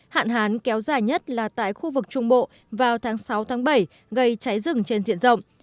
hạn hán kéo dài nhất là tại khu vực trung bộ vào tháng sáu bảy gây cháy rừng trên diện rộng